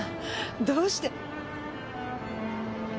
どうして？